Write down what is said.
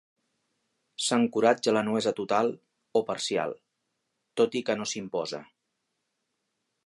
S'encoratja la nuesa total o parcial, tot i que no s'imposa.